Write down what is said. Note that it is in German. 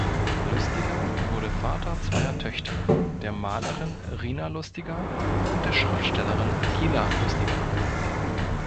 Lustiger wurde Vater zweier Töchter, der Malerin Rina Lustiger und der Schriftstellerin Gila Lustiger.